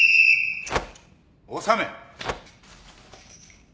納め。